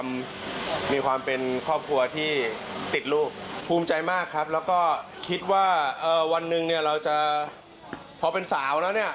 มีความเป็นครอบครัวที่ติดลูกภูมิใจมากครับแล้วก็คิดว่าวันหนึ่งเนี่ยเราจะพอเป็นสาวแล้วเนี่ย